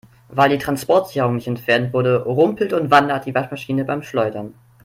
Weil die Transportsicherung nicht entfernt wurde, rumpelt und wandert die Waschmaschine beim Schleudern.